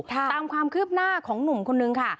ตามความคืบหน้าของหนุ่มคนนึงค่ะ